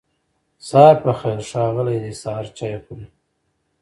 سهار پخير ښاغلی دی سهار چای خوری